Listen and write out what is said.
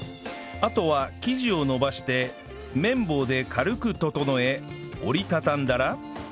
あとは生地を延ばして麺棒で軽く整え折り畳んだら